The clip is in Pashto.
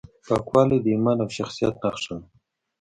پاکوالی د ایمان او شخصیت نښه ده.